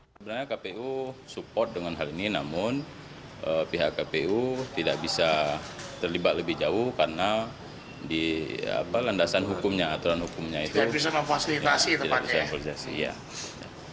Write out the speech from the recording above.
sebenarnya kpu support dengan hal ini namun pihak kpu tidak bisa terlibat lebih jauh karena di landasan hukumnya aturan hukumnya itu tidak bisa